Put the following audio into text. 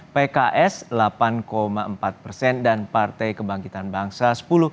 pks delapan empat dan partai kebangkitan bangsa sepuluh enam puluh dua